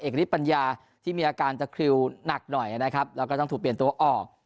เอกลิสต์ปัญญาที่มีอาการจะคริวหนักหน่อยแล้วก็ต้องถูกเปลี่ยนตัวออก